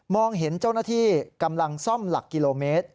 เห็นเจ้าหน้าที่กำลังซ่อมหลักกิโลเมตร